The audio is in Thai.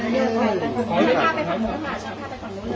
ได้ไหมครับอะคุณอาทิตย์